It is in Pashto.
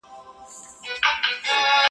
په لومړۍ ورځ چي ځالۍ دي جوړوله -